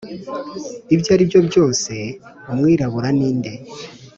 ibyo aribyo byose umwirabura ninde